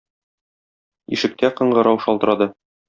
Ишектә кыңгырау шалтырады.